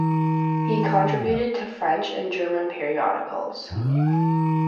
He contributed to French and German periodicals.